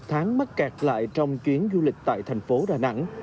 các hoạt động vận tải đã cạt lại trong chuyến du lịch tại thành phố đà nẵng